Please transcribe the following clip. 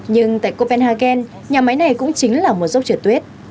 nhưng tại copenhagen nhà máy này cũng chính là một dốc trượt tuyết